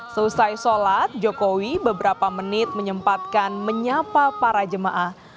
selesai sholat jokowi beberapa menit menyempatkan menyapa para jemaah